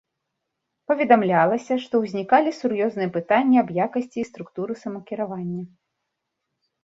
Паведамлялася, што ўзнікалі сур'ёзныя пытанні аб якасці і структуры самакіравання.